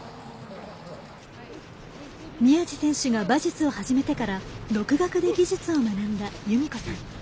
宮路選手が馬術を始めてから独学で技術を学んだ裕美子さん。